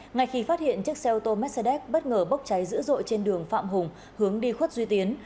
ngay khi phát hiện chiếc xe ô tô mercedes bất ngờ bốc cháy dữ dội trên đường phạm hùng hướng đi khuất duy tiến